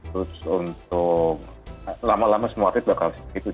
terus untuk lama lama semua artis bakal seperti itu